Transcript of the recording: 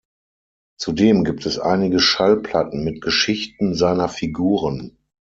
Zudem gibt es einige Schallplatten mit Geschichten seiner Figuren.